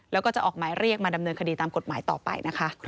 แล้วก็จะออกหมายเรียกมาดำเนินคดีตามกฎหมายต่อไปนะคะ